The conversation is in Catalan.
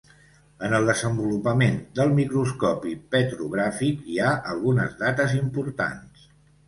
En el desenvolupament del microscopi petrogràfic hi ha algunes dates importants.